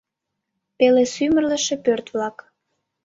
Пеле сӱмырлышӧ пӧрт-влак...